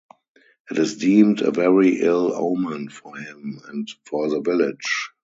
It is deemed a very ill omen for him and for the village.